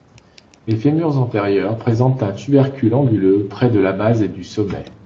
Les fémurs antérieurs présentent un tubercule anguleux prés de la base et du sommet.